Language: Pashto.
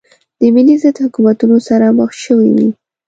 د ملي ضد حکومتونو سره مخ شوې وې.